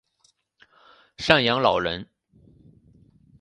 赡养老人